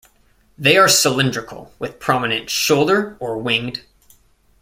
They are cylindrical, with prominent shoulder or winged.